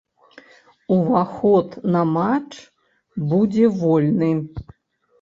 Уваход на матч будзе вольны.